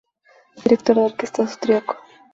Director de orquesta austriaco.